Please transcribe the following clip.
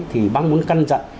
thì bác muốn căn dặn